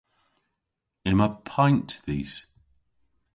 Yma paynt dhis.